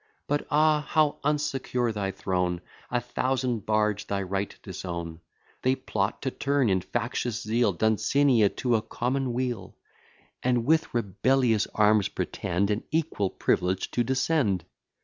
But ah! how unsecure thy throne! A thousand bards thy right disown: They plot to turn, in factious zeal, Duncenia to a common weal; And with rebellious arms pretend An equal privilege to descend.